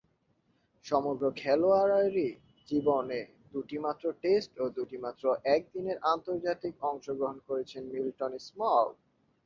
সমগ্র খেলোয়াড়ী জীবনে দুইটিমাত্র টেস্ট ও দুইটিমাত্র একদিনের আন্তর্জাতিকে অংশগ্রহণ করেছেন মিল্টন স্মল।